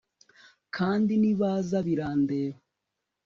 Kandi nibaza birandeba